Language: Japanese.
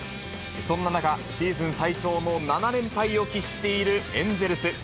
そんな中、シーズン最長の７連敗を喫しているエンゼルス。